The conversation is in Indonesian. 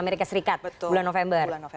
dan amerika serikat bulan november